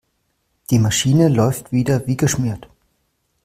Die Maschine läuft wieder wie geschmiert.